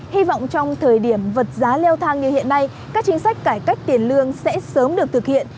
hy vọng trong thời điểm vật giá leo thang như hiện nay các chính sách cải cách tiền lương sẽ sớm được thực hiện